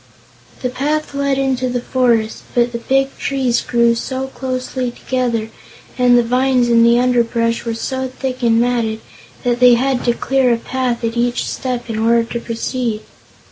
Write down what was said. The path led into the forest, but the big trees grew so closely together and the vines and underbrush were so thick and matted that they had to clear a path at each step in order to proceed.